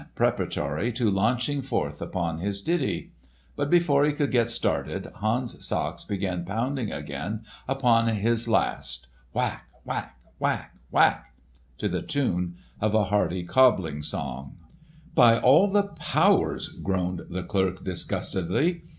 preparatory to launching forth upon his ditty. But before he could get started, Hans Sachs began pounding again upon his last, whack, whack, whack, whack! to the tune of a hearty cobbling song. "By all the powers!" groaned the clerk disgustedly.